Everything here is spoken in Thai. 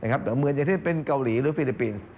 เหมือนอย่างเช่นเป็นเกาหลีหรือฟิลิปปินส์